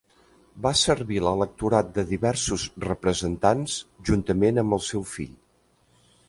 Va servir l'electorat de diversos representants juntament amb el seu fill.